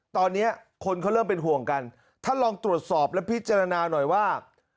ตอนนี้คนเขาเริ่มเป็นห่วงกันท่านลองตรวจสอบและพิจารณาหน่อยว่า